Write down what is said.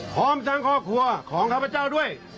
พร้อมทั้งครอบครัวของข้าพเจ้าด้วย